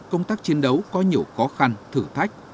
công tác chiến đấu có nhiều khó khăn thử thách